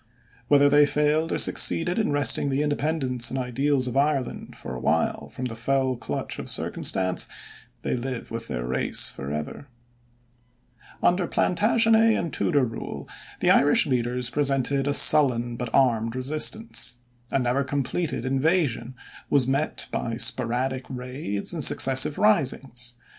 Whether they failed or succeeded in wresting the independence and ideals of Ireland for a while from the fell clutch of circumstance, they live with their race forever. Under Plantagenet and Tudor rule, the Irish leaders presented a sullen but armed resistance. A never completed invasion was met by sporadic raids and successive risings.